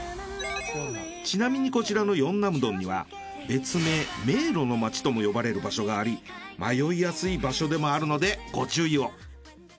ちなみにこちらのヨンナム洞には別名迷路の街とも呼ばれる場所があり迷いやすい場所でもあるのでご注意を！